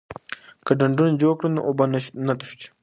که ډنډونه جوړ کړو نو اوبه نه تښتي.